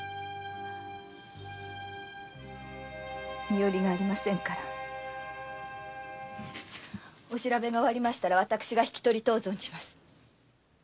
身寄りがありませんからお調べが終りましたら私が引き取りとう存じます。